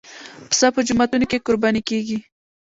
پسه په جوماتونو کې قرباني کېږي.